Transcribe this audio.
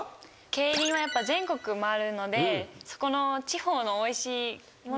競輪は全国回るのでそこの地方のおいしいものを。